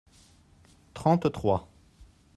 trente trois.